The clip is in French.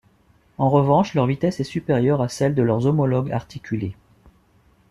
En revanche, leur vitesse est supérieure à celle de leurs homologues articulés.